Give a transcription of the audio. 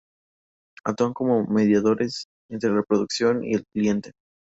Actúan como mediadores entre la producción y el cliente.